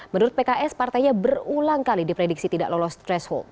menurut pks partainya berulang kali diprediksi tidak lolos threshold